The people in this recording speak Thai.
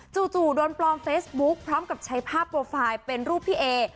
จู่โดนปลอมเฟซบุ๊คพร้อมกับใช้ภาพโปรไฟล์เป็นรูปพี่เอ